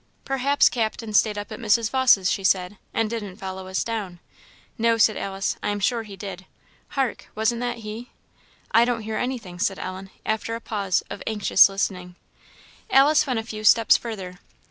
"Perhaps Captain staid up at Mrs. Vawse's," she said, "and didn't follow us down." "No," said Alice; "I am sure he did. Hark! wasn't that he?" "I don't hear anything," said Ellen, after a pause of anxious listening. Alice went a few steps further.